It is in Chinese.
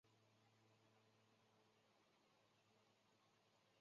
派因代尔绍尔斯是一个位于美国阿拉巴马州圣克莱尔县的非建制地区。